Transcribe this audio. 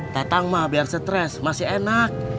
datang mah biar stres masih enak